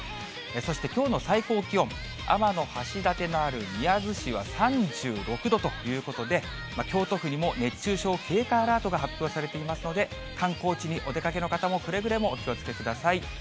そしてきょうの最高気温、天橋立のある宮津市は３６度ということで、京都府にも熱中症警戒アラートが発表されていますので、観光地にお出かけの方もくれぐれもお気をつけください。